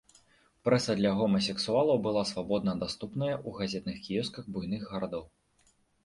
Прэса для гомасексуалаў была свабодна даступная ў газетных кіёсках буйных гарадоў.